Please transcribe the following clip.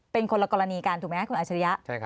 เป็นคนละกรณีกันถูกไหมคุณอาชริยะ